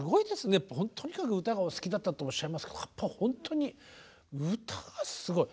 とにかく歌がお好きだったっておっしゃいますけどやっぱ本当に歌がすごい。